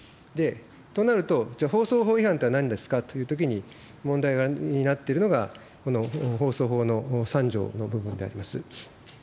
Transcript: となると、じゃあ、放送法違反というのはなんですかというときに、問題になっているのが、この放送法の３条の部分であります。